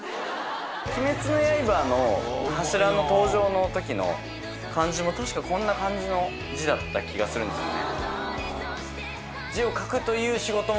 「鬼滅の刃」の柱の登場の時の漢字も確かこんな感じの字だった気がするんですよね